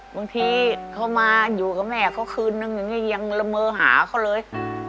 บางทีเขามาอยู่กับแม่เขาคืนนึงอย่างนี้ยังละเมอหาเขาเลย